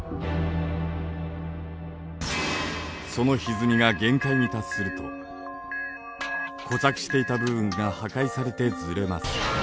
そのひずみが限界に達すると固着していた部分が破壊されてずれます。